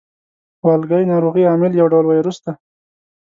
والګی ناروغۍ عامل یو ډول ویروس دی.